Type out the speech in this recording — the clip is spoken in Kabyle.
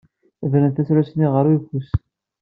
Bren tasarut-nni ɣer uyeffus.